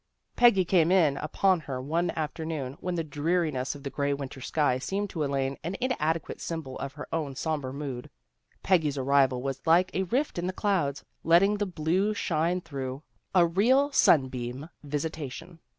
Peggy came in upon her one afternoon, when the dreariness of the grey winter sky seemed to Elaine an inadequate symbol of her own sombre mood. Peggy's arrival was like a rift in the clouds, letting the blue shine through, a real sunbeam visitation.